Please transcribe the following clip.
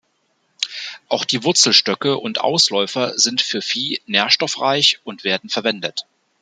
Auch die Wurzelstöcke und Ausläufer sind für Vieh nährstoffreich und werden verwendet.